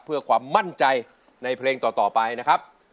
เพื่อความมั่นใจในเพลงต่อไปนะครับ